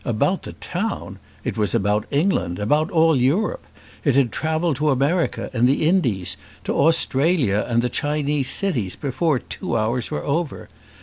About the town! It was about England, about all Europe. It had travelled to America and the Indies, to Australia and the Chinese cities before two hours were over.